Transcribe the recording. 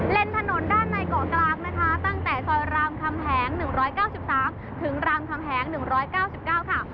ถนนด้านในเกาะกลางนะคะตั้งแต่ซอยรามคำแหง๑๙๓ถึงรามคำแหง๑๙๙ค่ะ